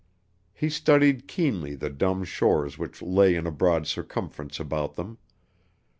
He studied keenly the dumb shores which lay in a broad circumference about them.